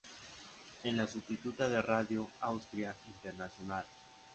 Es la sustituta de Radio Austria Internacional.